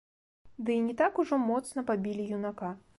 Ды і не так ужо моцна пабілі юнака.